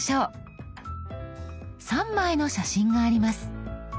３枚の写真があります。